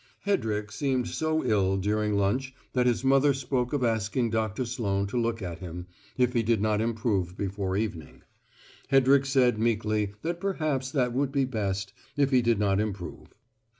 Hedrick seemed so ill during lunch that his mother spoke of asking Doctor Sloane to look at him, if he did not improve before evening. Hedrick said meekly that perhaps that would be best if he did not improve.